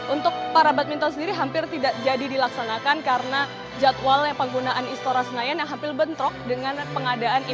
untuk para badminton sendiri hampir tidak jadi dilaksanakan karena jadwal penggunaan istora senayan yang hampir berdekatan